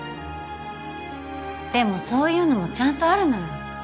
でもそういうのもちゃんとあるのよ